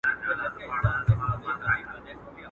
نن هغه غشي د خور ټيكري پېيلي.